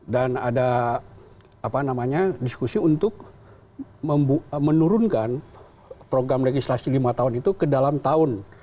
dan ada apa namanya diskusi untuk menurunkan program legislasi lima tahun itu ke dalam tahun